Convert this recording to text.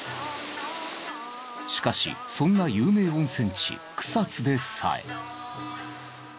しかしそんな有名温泉地草津でさえ。